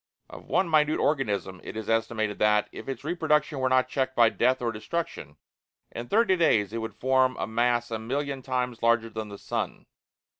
Of one minute organism it is estimated that, if its reproduction were not checked by death or destruction, in thirty days it would form a mass a million times larger than the sun.